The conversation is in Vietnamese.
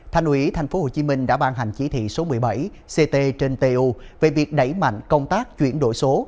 thành ủy tp hcm đã ban hành chỉ thị số một mươi bảy ct trên tu về việc đẩy mạnh công tác chuyển đổi số